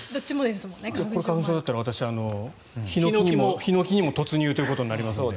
これで花粉症だったらヒノキにも突入ということになりますので。